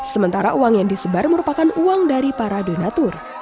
sementara uang yang disebar merupakan uang dari para donatur